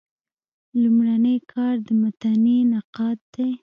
لومړنی کار د متني نقاد دﺉ.